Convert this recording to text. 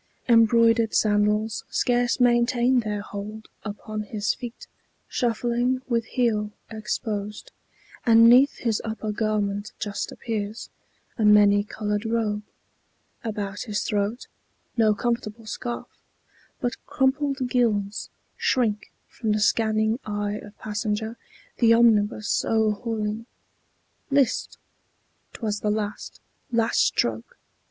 Embroidered sandals scarce maintain their hold Upon his feet, shuffling, with heel exposed, And 'neath his upper garment just appears A many colored robe; about his throat No comfortable scarf, but crumpled gills Shrink from the scanning eye of passenger The omnibus o'erhauling. List! 't was the last, Last stroke!